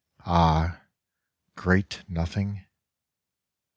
Ah, great Nothing